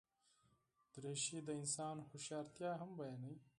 دریشي د انسان هوښیارتیا هم بیانوي.